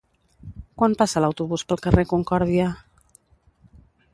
Quan passa l'autobús pel carrer Concòrdia?